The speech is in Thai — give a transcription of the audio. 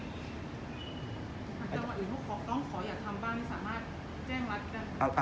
ถ้าจังหวัดอื่นต้องขออย่าทำบ้างนี่สามารถแจ้งรักกัน